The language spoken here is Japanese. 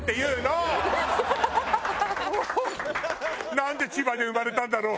なんで千葉で生まれたんだろう？